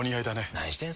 何してんすか。